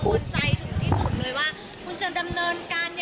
คุณจะดำเนินการอย่างไงคุณจะปล่อยให้เรากังวลใจหลังนี้